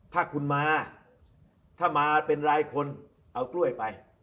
ถ้าคุณมาถ้ามาเป็นรายคนเอากล้วยไป